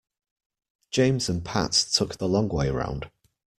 James and Pat took the long way round.